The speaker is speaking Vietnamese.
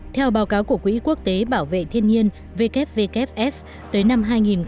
theo báo cáo của quỹ quốc tế bảo vệ thiên nhiên wfff tới năm hai nghìn ba mươi